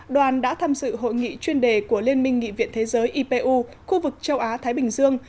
đoàn đã tham dự hội nghị chuyên đề của liên minh nghị viện thế giới ipu khu vực châu á thái bình dương